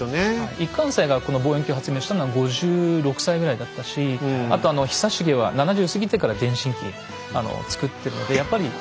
一貫斎がこの望遠鏡を発明したのは５６歳ぐらいだったしあと久重は７０過ぎてから電信機作ってるのでやっぱり。